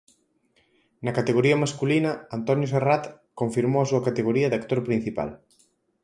Na categoría masculina, Antonio Serrat confirmou a súa categoría de actor principal.